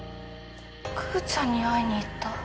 クーちゃんに会いに行った。